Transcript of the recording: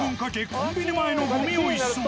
コンビニ前のゴミを一掃。